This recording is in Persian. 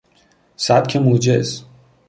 سبک موجز